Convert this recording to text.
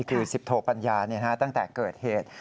คือ๑๐โทปัญญาตั้งแต่เกิดเหตุ